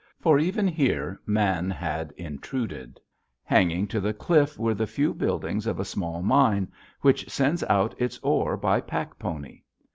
For even here man had intruded. Hanging to the cliff were the few buildings of a small mine which sends out its ore by pack pony.